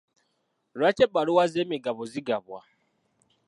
Lwaki ebbaluwa z'emigabo zigabwa?